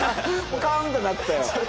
カーン！って鳴ってたよ。